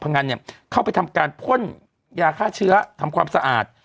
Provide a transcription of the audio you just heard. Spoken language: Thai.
งันเนี่ยเข้าไปทำการพ่นยาฆ่าเชื้อทำความสะอาด